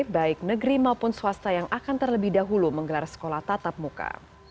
baik negeri maupun swasta yang akan terlebih dahulu menggelar sekolah tatap muka